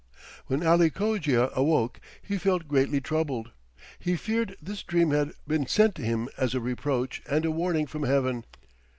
When Ali Cogia awoke he felt greatly troubled. He feared this dream had been sent him as a reproach and a warning from heaven.